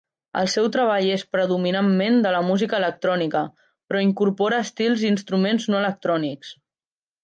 El seu treball és predominantment de la música electrònica, però incorpora estils i instruments no electrònics.